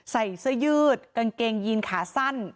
ใส่เสื้อยืดกางเกงยีนขาสั้น